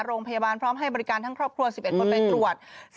โรงพยาบาลพร้อมให้บริการทั้งครอบครัว๑๑คนไปตรวจ